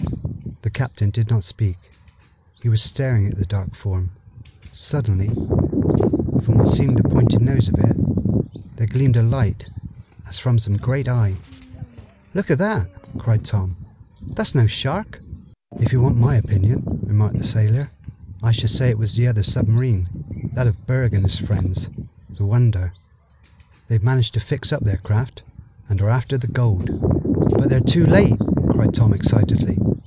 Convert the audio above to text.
The captain did not speak. He was staring at the dark form. Suddenly, from what seemed the pointed nose of it, there gleamed a light, as from some great eye. "Look at that!" cried Tom. "That's no shark!" "If you want my opinion," remarked the sailor, "I should say it was the other submarine that of Berg and his friends the Wonder. They've managed to fix up their craft and are after the gold." "But they're too late!" cried Tom excitedly.